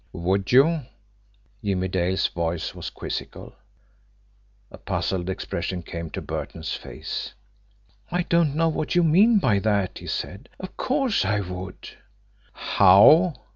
"Would you?" Jimmie Dale's voice was quizzical. A puzzled expression came to Burton's face. "I don't know what you mean by that," he said. "Of course, I would!" "How?"